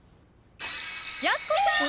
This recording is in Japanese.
やす子さん